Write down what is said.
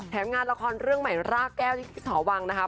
งานละครเรื่องใหม่รากแก้วที่พี่สอวังนะคะ